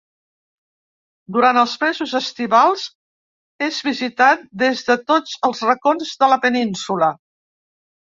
Durant els mesos estivals és visitat des de tots els racons de la península.